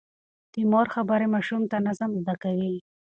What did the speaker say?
د مور خبرې ماشوم ته نظم زده کوي.